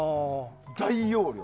大容量。